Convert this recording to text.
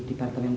iya toh den